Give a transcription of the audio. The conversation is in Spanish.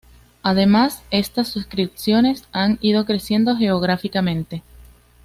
Además, estas suscripciones han ido creciendo geográficamente.